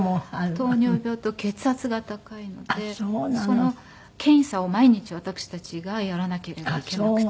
その検査を毎日私たちがやらなければいけなくて。